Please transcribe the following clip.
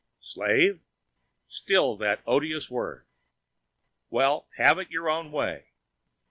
Slave! Still that odious word? Well, have it your own way.